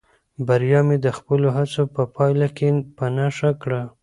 بریا مې د خپلو هڅو په پایله کې په نښه کړه.